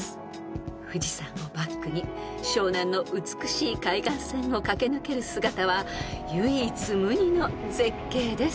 ［富士山をバックに湘南の美しい海岸線を駆け抜ける姿は唯一無二の絶景です］